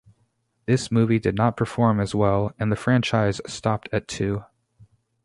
This movie did not perform as well and the franchise stopped at two.